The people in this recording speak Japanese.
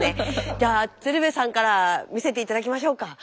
じゃあ鶴瓶さんから見せていただきましょうか。